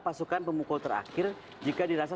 pasukan pemukul terakhir jika dirasa